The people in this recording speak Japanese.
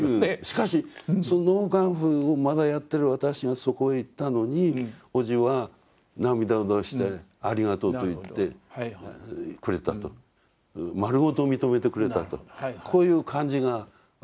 しかしその納棺夫をまだやってる私がそこへ行ったのにおじは涙を出してありがとうと言ってくれたと丸ごと認めてくれたとこういう感じが私したの。